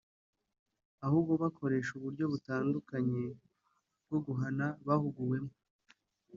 ahubwo bagakoresha uburyo butandukanye bwo guhana bahuguwemo